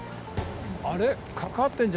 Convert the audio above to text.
あれ？